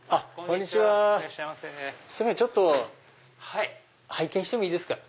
ちょっと拝見してもいいですか？